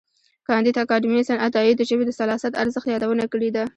کانديد اکاډميسن عطايي د ژبې د سلاست ارزښت یادونه کړې ده.